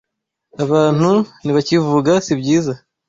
Abantu ntibakivuga sibyiza.